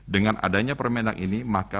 dengan adanya permenang ini maka